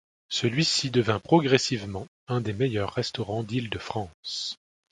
Celui-ci devint progressivement un des meilleurs restaurants d'Île-de-France.